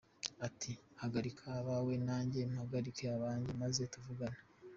ati “Hagarika abawe nanjye mpagarike abanjye maze tuvugane”.